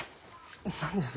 何です？